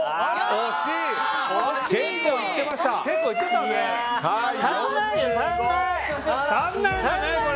惜しい！